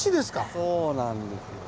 そうなんですよ。